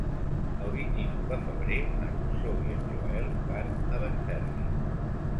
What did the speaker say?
El vint-i-nou de febrer na Rosó i en Joel van a Benferri.